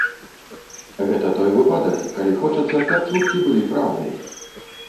Гэта той выпадак, калі хочацца, каб чуткі былі праўдай.